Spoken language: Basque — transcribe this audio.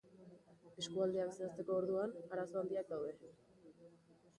Eskualdeak zehazteko orduan arazo handiak daude.